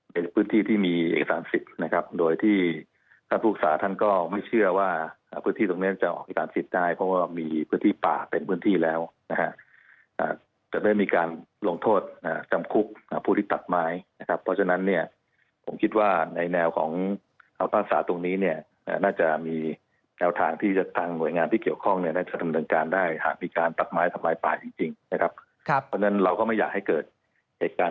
เป็นพื้นที่ที่มีเอกสารสิทธิ์โดยที่ท่านภูมิภูมิภูมิภูมิภูมิภูมิภูมิภูมิภูมิภูมิภูมิภูมิภูมิภูมิภูมิภูมิภูมิภูมิภูมิภูมิภูมิภูมิภูมิภูมิภูมิภูมิภูมิภูมิภูมิภูมิภูมิภูมิภูมิภูมิภูมิภูมิภูมิภูมิ